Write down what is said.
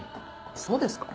そうですか？